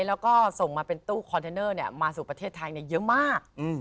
แล้วก็ส่งมาเป็นตู้คอนเทนเนอร์มาสู่ประเทศไทยเยอะมาก